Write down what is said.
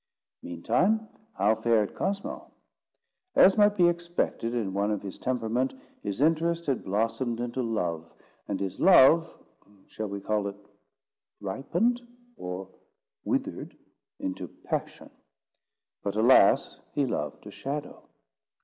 Meantime, how fared Cosmo? As might be expected in one of his temperament, his interest had blossomed into love, and his love—shall I call it ripened, or—withered into passion. But, alas! he loved a shadow.